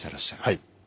はい。